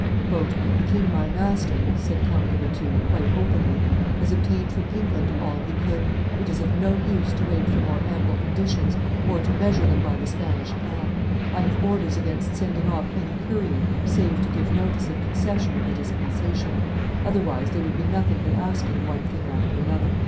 "The king my master," said Count de Bethune, quite openly, "has obtained from England all he could; it is no use to wait for more ample conditions, or to measure them by the Spanish ell; I have orders against sending off any courier save to give notice of concession of the dispensation: otherwise there would be nothing but asking one thing after another."